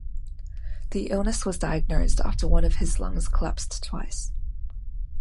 The illness was diagnosed after one of his lungs collapsed twice.